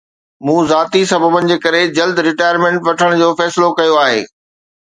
مون ذاتي سببن جي ڪري جلد رٽائرمينٽ وٺڻ جو فيصلو ڪيو آهي